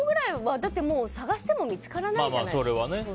だってもう、探しても見つからないじゃないですか。